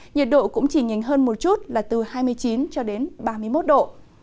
nhiệt độ cũng chỉ nhìn hơn một chút là từ hai mươi chín ba mươi một độ